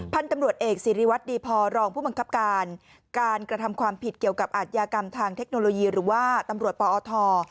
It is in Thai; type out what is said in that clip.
พันธุ์ตำรวจเอกสิริวัตรดีพอรองผู้บังคับการการกระทำความผิดเกี่ยวกับอาทยากรรมทางเทคโนโลยีหรือว่าตำรวจปอท